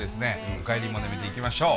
「おかえりモネ」見ていきましょう。